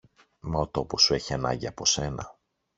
Μα ο τόπος σου έχει ανάγκη από σένα.